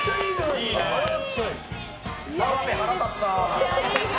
澤部、腹立つな。